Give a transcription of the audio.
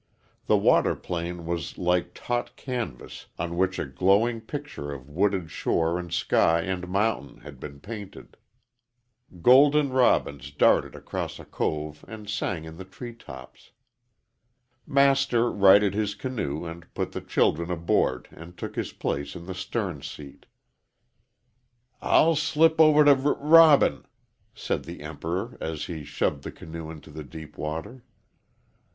The water plane was like taut canvas on which a glowing picture of wooded shore and sky and mountain had been painted. Golden robins darted across a cove and sang in the tree tops. Master righted his canoe and put the children aboard and took his place in the stern seat. "I'll slip over to R Robin," said the Emperor as he shoved the canoe into deep water.